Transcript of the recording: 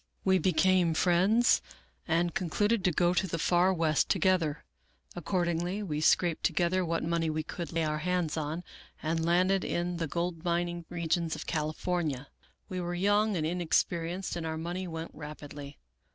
We became friends, and concluded to go to the far west together. Accordingly we scraped to gether what money we could lay our hands on, and landed in the gold mining regions of California, We were young and inexperienced, and our money went rapidly.